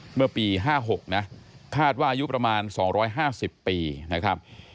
เมื่อปี๕๖นะคาดว่าอายุประมาณ๒๕๐ปีนะครับ